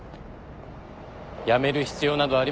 やめる必要などありません。